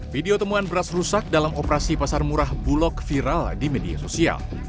video temuan beras rusak dalam operasi pasar murah bulog viral di media sosial